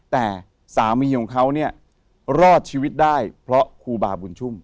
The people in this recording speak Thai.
แต่สามีของเขาเนี่ยรอดชีวิตได้เพราะครูบาบุญชุ่ม